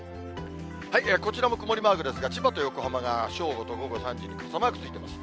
こちらも曇りマークですが、千葉と横浜が正午と午後３時に傘マークついてます。